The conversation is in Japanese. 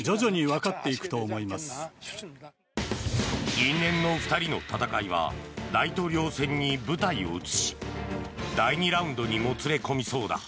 因縁の２人の戦いは大統領選に舞台を移し第２ラウンドにもつれ込みそうだ。